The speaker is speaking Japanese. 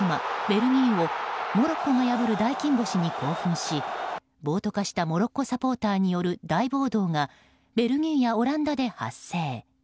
ベルギーをモロッコが破る大金星に興奮し暴徒化したモロッコサポーターによる大暴動がベルギーやオランダで発生。